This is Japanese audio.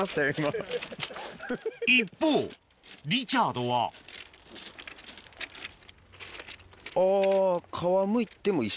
一方リチャードはあぁ。